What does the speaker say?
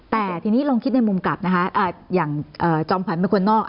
แต่ทีนี้ลองคิดในมุมกลับนะคะอย่างจอมขวัญเป็นคนนอก